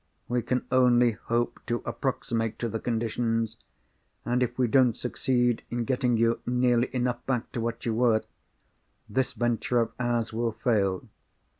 We can only hope to approximate to the conditions; and if we don't succeed in getting you nearly enough back to what you were, this venture of ours will fail.